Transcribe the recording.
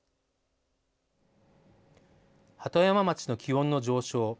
鳩山町の気温の上昇。